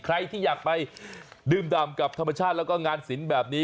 ใครที่อยากไปดื่มดำกับธรรมชาติแล้วก็งานศิลป์แบบนี้